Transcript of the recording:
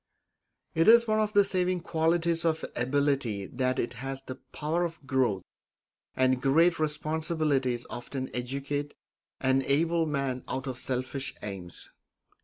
It is one of the saving qualities of ability that it has the power of growth, and great responsibilities often educate an able man out of selfish aims.